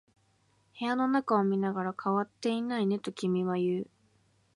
部屋の中を見ながら、変わっていないねと君は言う。